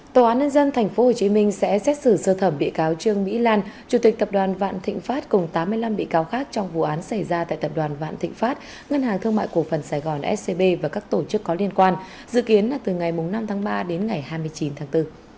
tòa án nhân dân tp hcm sẽ xét xử sơ thẩm bị cáo trương mỹ lan chủ tịch tập đoàn vạn thịnh pháp cùng tám mươi năm bị cáo khác trong vụ án xảy ra tại tập đoàn vạn thịnh pháp ngân hàng thương mại cổ phần sài gòn scb và các tổ chức có liên quan dự kiến là từ ngày năm tháng ba đến ngày hai mươi chín tháng bốn